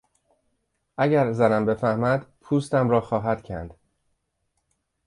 اگر زنم بفهمد پوستم را خواهد کند!